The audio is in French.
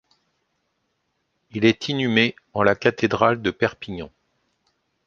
Il est inhumé en la cathédrale de Perpignan.